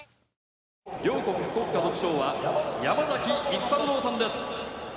両国国歌独唱は山崎育三郎さんです。